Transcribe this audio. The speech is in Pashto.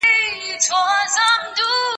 جواب ورکول د زده کوونکي له خوا کېږي!